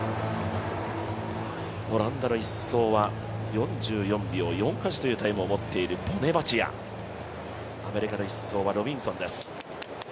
オランダの１走は４４秒４８という記録を持っているボネバチア、アメリカの１走はロビンソンです。